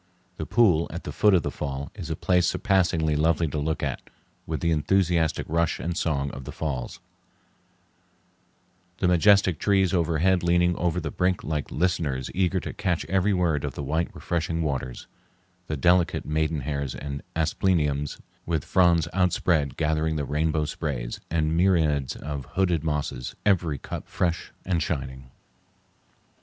The pool at the foot of the fall is a place surpassingly lovely to look at, with the enthusiastic rush and song of the falls, the majestic trees overhead leaning over the brink like listeners eager to catch every word of the white refreshing waters, the delicate maidenhairs and aspleniums with fronds outspread gathering the rainbow sprays, and the myriads of hooded mosses, every cup fresh and shining.